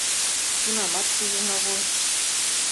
Тунамат шижын огыл.